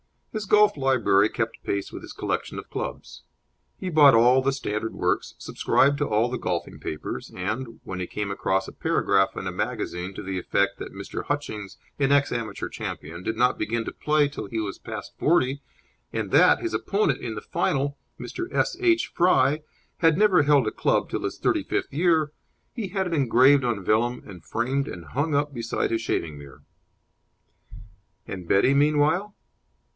His golf library kept pace with his collection of clubs. He bought all the standard works, subscribed to all the golfing papers, and, when he came across a paragraph in a magazine to the effect that Mr. Hutchings, an ex amateur champion, did not begin to play till he was past forty, and that his opponent in the final, Mr. S. H. Fry, had never held a club till his thirty fifth year, he had it engraved on vellum and framed and hung up beside his shaving mirror. And Betty, meanwhile?